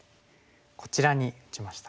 こちらに打ちました。